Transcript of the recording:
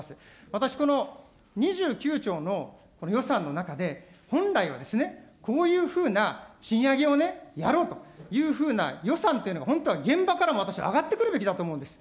私この、２９兆の予算の中で、本来はこういうふうな賃上げをね、やろうというふうな予算というのが、本当は現場からも私も上がってくるべきだと思うんです。